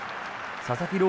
佐々木朗